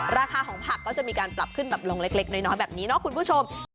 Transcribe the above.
ราคาของผักก็จะมีการปรับขึ้นแบบลงเล็กน้อยแบบนี้เนาะคุณผู้ชม